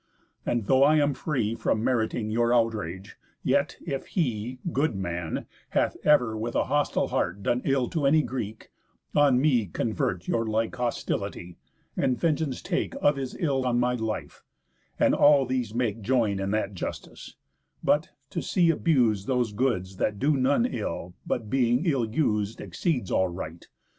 And though I am free From meriting your outrage, yet, if he, Good man, hath ever with a hostile heart Done ill to any Greek, on me convert Your like hostility, and vengeance take Of his ill on my life, and all these make Join in that justice; but, to see abus'd Those goods that do none ill but being ill us'd, Exceeds all right.